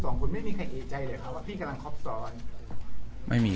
คนไม่มีใครเอกใจเลยครับว่าพี่กำลังครบซ้อนไม่มี